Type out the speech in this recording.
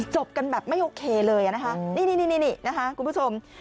จบกันแบบไม่โอเคเลยนะคะนี่นะคะคุณผู้ชม